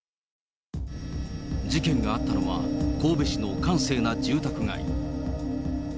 事件があったのは、神戸市の閑静な住宅街。